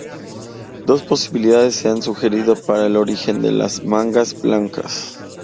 Dos posibilidades se han sugerido para el origen de las mangas blancas.